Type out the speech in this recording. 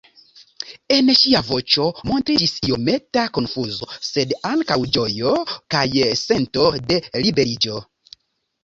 En ŝia voĉo montriĝis iometa konfuzo, sed ankaŭ ĝojo kaj sento de liberiĝo.